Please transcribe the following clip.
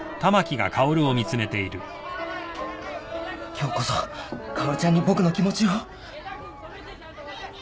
今日こそ薫ちゃんに僕の気持ちを。